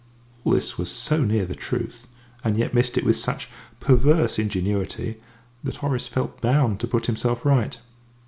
All this was so near the truth, and yet missed it with such perverse ingenuity, that Horace felt bound to put himself right.